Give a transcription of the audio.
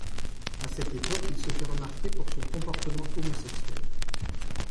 À cette époque il se fait remarquer pour son comportement homosexuel.